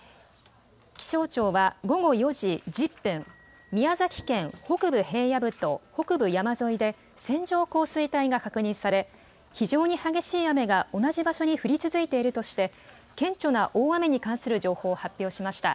気象庁は午後４時１０分、宮崎県北部平野部と北部山沿いで線状降水帯が確認され非常に激しい雨が同じ場所に降り続いているとして顕著な大雨に関する情報を発表しました。